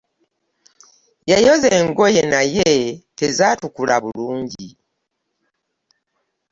Yayoza engoye naye tezaatukula bulungi